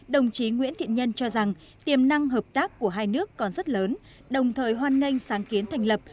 đồng chí nguyễn thiện nhân cho rằng tiềm năng hợp tác của hai nước còn rất lớn đồng thời hoan nghênh sáng kiến thành lập